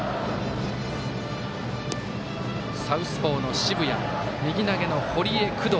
サウスポーの澁谷右投げの堀江、工藤